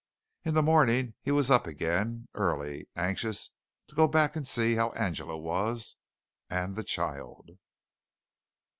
In the morning he was up again, early, anxious to go back and see how Angela was and the child.